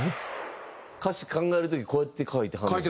歌詞考える時こうやって書いてはるの？